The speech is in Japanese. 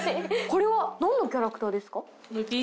これは何のキャラクターですか？